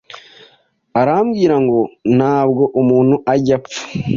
arambwira ngo ntabwo umuntu ajya apfa